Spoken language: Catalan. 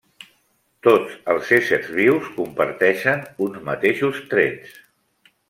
Tots els éssers vius comparteixen uns mateixos trets.